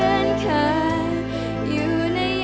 อยากฟังซ้ำข้างที่เธอเอิญเผย